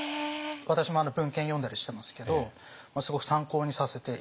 私も文献読んだりしてますけどすごく参考にさせて頂いてますね。